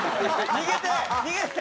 逃げて。